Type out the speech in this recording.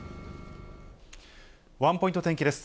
ワンポイント天気です。